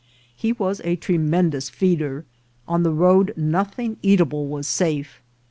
He was a tremendous feed er ; on the road nothing eatable was safe.